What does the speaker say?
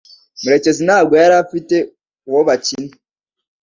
Murekezi ntabwo yari afite uwo bakina.